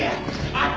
あっ！